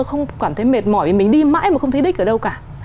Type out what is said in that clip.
không cảm thấy mệt mỏi vì mình đi mãi mà không thấy đích ở đâu cả